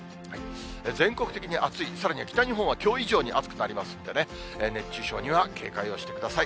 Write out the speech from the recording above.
全国的に暑い、さらには北日本はきょう以上に暑くなりますんでね、熱中症には警戒をしてください。